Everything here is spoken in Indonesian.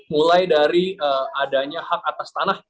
mulai dari adanya hak atas tanah